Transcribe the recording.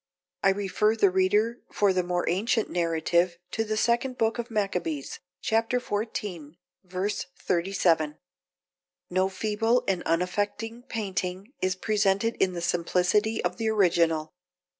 I refer the reader for the more ancient narrative to the second book of Maccabees, chap. xiv. v. 37. No feeble and unaffecting painting is presented in the simplicity of the original.